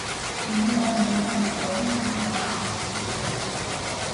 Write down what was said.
na kusema kwa mataifa hayo mawili yanapaswa kuzuia machafuko